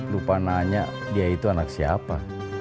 lupa nanya dia itu anak siapa